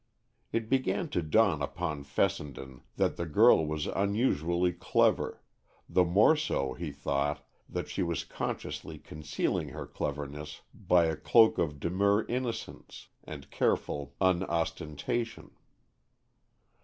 It began to dawn upon Fessenden that the girl was unusually clever, the more so, he thought, that she was consciously concealing her cleverness by a cloak of demure innocence, and careful unostentation.